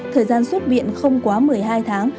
thời gian xuất viện không quá một mươi hai tháng